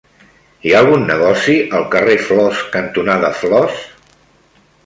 Hi ha algun negoci al carrer Flors cantonada Flors?